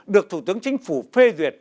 được thủ tướng chính phủ phê duyệt